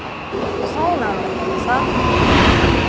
そうなんだけどさ。